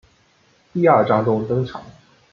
第二章中登场。